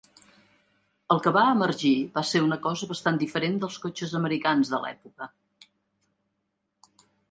El que va emergir va ser una cosa bastant diferent dels cotxes americans de l'època.